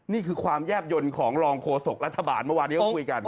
นี่คือความแยบยนต์ของรองโฆษกรัฐบาลเมื่อวานนี้ก็คุยกัน